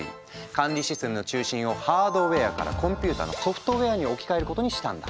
管理システムの中心をハードウェアからコンピューターのソフトウェアに置き換えることにしたんだ。